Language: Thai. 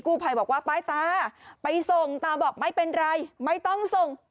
ภัยบอกว่าไปตาไปส่งตาบอกไม่เป็นไรไม่ต้องส่ง